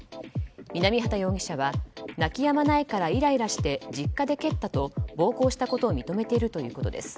南畑容疑者は泣き止まないからイライラして実家で蹴ったと暴行したことを認めているということです。